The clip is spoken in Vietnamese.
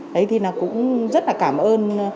đấy thì cũng rất là cảm ơn